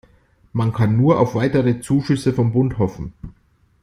Man kann nur auf weitere Zuschüsse vom Bund hoffen.